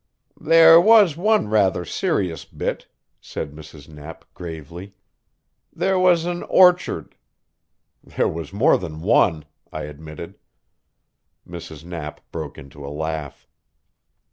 "There was one rather serious bit," said Mrs. Knapp gravely. "There was an orchard " "There was more than one," I admitted. Mrs. Knapp broke into a laugh.